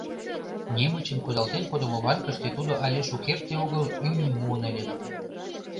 Немычын кудалтен кодымо банкыште тудо але шукерте огыл ӱйым муын ыле.